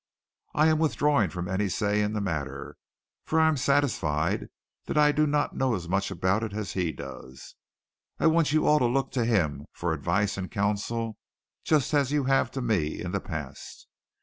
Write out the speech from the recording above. I am withdrawing from any say in the matter, for I am satisfied that I do not know as much about it as he does. I want you all to look to him for advice and counsel just as you have to me in the past.